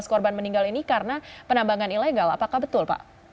tujuh belas korban meninggal ini karena penambangan ilegal apakah betul pak